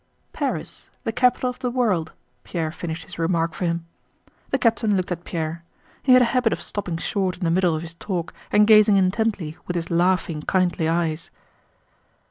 "Paris—the capital of the world," Pierre finished his remark for him. The captain looked at Pierre. He had a habit of stopping short in the middle of his talk and gazing intently with his laughing, kindly eyes.